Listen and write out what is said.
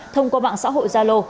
thông qua mạng xã hội gia lô